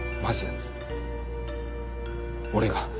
まず俺が。